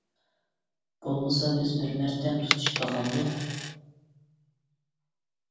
بولمىسا بىز بىر مەرتەم تۇتىشىپ باقامدۇق.